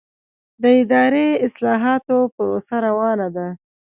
د اداري اصلاحاتو پروسه روانه ده؟